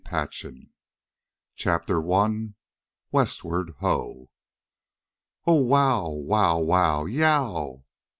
Conclusion CHAPTER I WESTWARD, HO! "Ow, Wow, Wow, Wow! Y E O W!"